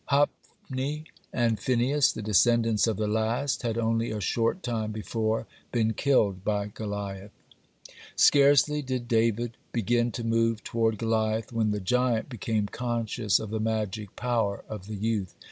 Hophni and Phinehas, the descendants of the last, had only a short time before been killed by Goliath. (38) Scarcely did David begin to move toward Goliath, when the giant became conscious of the magic power of the youth.